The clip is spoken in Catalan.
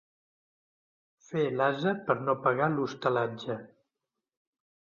Fer l'ase per no pagar l'hostalatge.